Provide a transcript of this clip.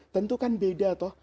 tentu kan beda toh